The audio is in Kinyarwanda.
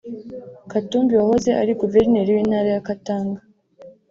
Katumbi wahoze ari Guverineri w’Intara ya Katanga